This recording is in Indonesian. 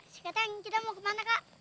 sekarang kita mau kemana kak